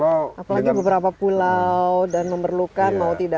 apalagi beberapa pulau dan memerlukan mau tidak